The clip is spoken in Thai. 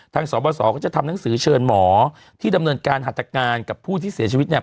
สบสก็จะทำหนังสือเชิญหมอที่ดำเนินการหัตการกับผู้ที่เสียชีวิตเนี่ย